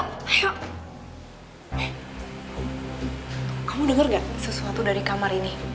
eh kamu denger gak sesuatu dari kamar ini